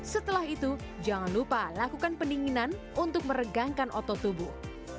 setelah itu jangan lupa lakukan pendinginan untuk meregangkan otot tubuh